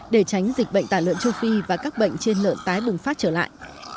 để tránh dịch bệnh tả lợn châu phi và các bệnh trên lợn tái bùng phát trở lại